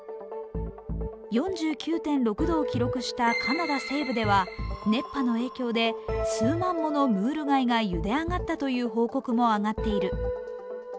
４９．６度を記録したカナダ西部では熱波の影響で数万ものムール貝がゆで上がったという報告も上がっている。